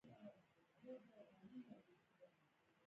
افغانستان تر هغو نه ابادیږي، ترڅو پوځ مسلکي او غیر سیاسي نشي.